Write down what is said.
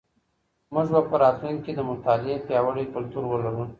مونږ به په راتلونکي کي د مطالعې پياوړی کلتور ولرو.